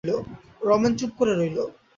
রমেন চুপ করে রইল।